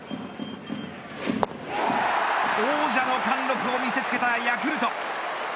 王者の貫禄を見せつけたヤクルト。